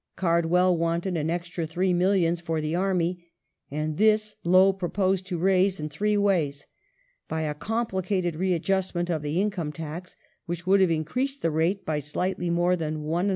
Cardwell wanted an extra three millions for the Army, and this Lowe proposed to raise in three ways : by a complicated readjustment of the income tax, which would have increased the rate by slightly more than 1 Jd.